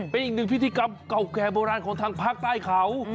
เป็นอีกหนึ่งพิธีกรรมเก่าแก่โบราณของทางภาคใต้เขา